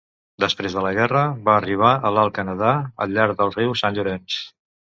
Després de la guerra, va arribar a l'Alt Canadà al llarg del riu Sant Llorenç.